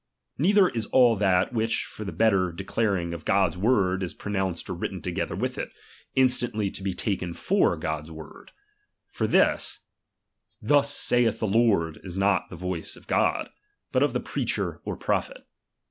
Neither is all that, which for the better declaring of God's word is pronounced or written together with it, instantly to be taken for God's word. For, Thus saith the Lord, is not the voice of God, but of the preacher or prophet.